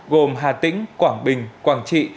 gồm hà tĩnh quảng bình quảng trị